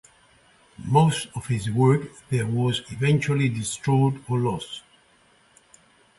Most of his work there was eventually destroyed or lost.